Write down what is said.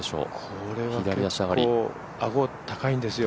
これは結構、アゴ高いんですよ。